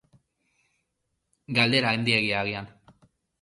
Galdera handiegia, agian.